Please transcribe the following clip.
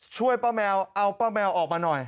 ช่วยป้าแมวเอาป้าแมวออกมาหน่อย